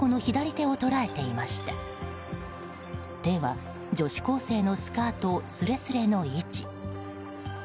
手は女子高生のスカートすれすれの位置。